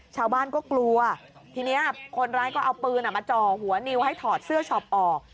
ชาวบ้านก็กลัวทีนี้คนร้ายก็เอาปืนมาจ่อหัวนิวให้ถอดเสื้อช็อปออก